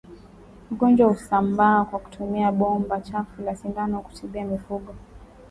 Ugonjwa husambaa kwa kutumia bomba chafu la sindano kutibia mifugo